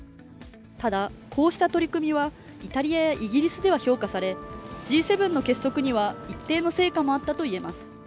ただ、こうした取り組みはイタリアやイギリスでは評価されＧ７の結束には一定の成果もあったと言えます。